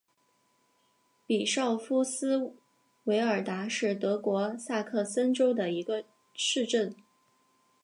比绍夫斯韦尔达是德国萨克森州的一个市镇。